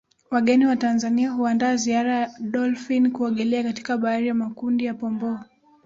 Wageni wa Tanzania huandaa ziara za Dolphin kuogelea katika bahari na makundi ya pomboo